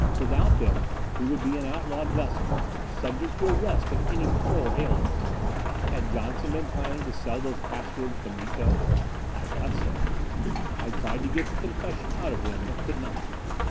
Without them we would be an outlawed vessel, subject to arrest if any patrol hailed us. Had Johnson been planning to sell those pass words to Miko? I thought so. I tried to get the confession out of him, but could not.